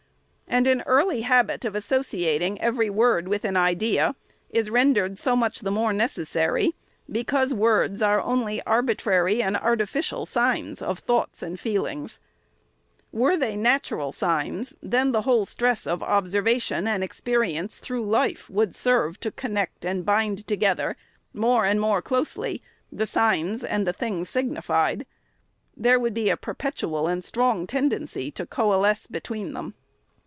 And an early habit of associating every word with an idea is rendered so much the more necessary, because words are only arbitrary and artificial signs of thoughts and feelings. Were they natural signs, then the whole stress of observation and experience through SECOND ANNUAL REPORT. 527 life would serve to connect and bind together, more and more closely, the signs and the things signified. There would be a perpetual and strong tendency to coalescence between them.